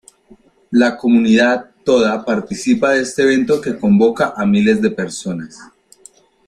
La comunidad toda participa de este evento que convoca a miles de personas.